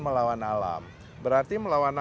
melawan alam berarti melawan